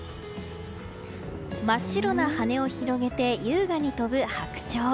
真っ白な羽を広げて優雅に飛ぶ白鳥。